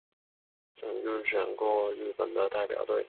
曾入选过的日本代表队。